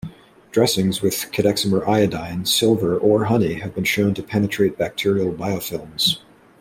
Dressings with cadexomer iodine, silver, or honey have been shown to penetrate bacterial biofilms.